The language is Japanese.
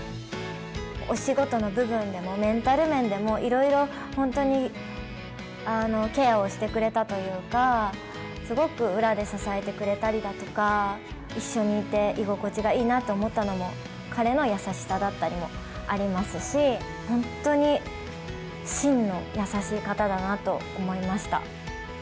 お仕事の部分でも、メンタル面でも、いろいろ本当にケアをしてくれたというか、すごく裏で支えてくれたりだとか、一緒にいて居心地がいいなと思ったのも、彼の優しさだったりもありますし、本当に真の優しい方だなと思いました。